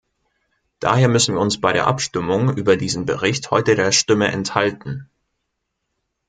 Daher müssen wir uns bei der Abstimmung über diesen Bericht heute der Stimme enthalten.